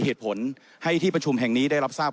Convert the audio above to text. เหตุผลให้ที่ประชุมแห่งนี้ได้รับทราบ